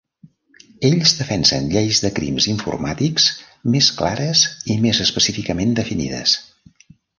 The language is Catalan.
Ells defensen lleis de crims informàtics més clares i més específicament definides.